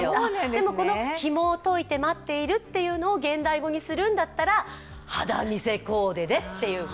でもこのひもをといて待っているというのを現代語にするんだったら肌見せコーデでって。